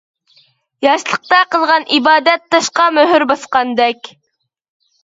«ياشلىقتا قىلغان ئىبادەت تاشقا مۆھۈر باسقاندەك» .